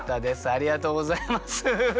ありがとうございます。